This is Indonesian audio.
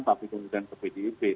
tapi kemudian ke bdip